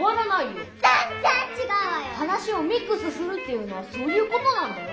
話をミックスするっていうのはそういうことなんだよ。